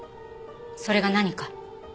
それが何か？